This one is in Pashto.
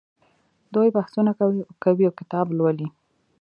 دوی بحثونه کوي او کتاب لوالي.